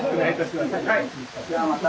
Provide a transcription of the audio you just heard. じゃあまた。